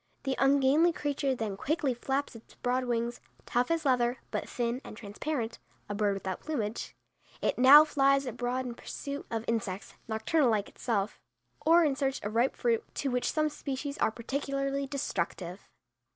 The ungainly creature then quickly flaps its broad wings, tough as leather, but thin and transparent; a bird without plumage, it now flies abroad in pursuit of insects nocturnal like itself or in search of ripe fruit, to which some species are particularly destructive.